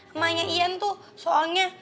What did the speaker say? emaknya ian tuh soalnya